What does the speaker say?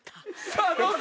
さあどうぞ！